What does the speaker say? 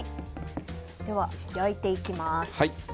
では、焼いていきます。